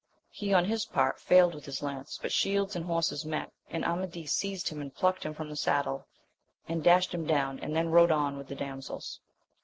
He on his part failed with his lance, but shields and horses met, and Amadis seized him and plucked him from the saddle, and dashed him down, and then rode on* with the damsels.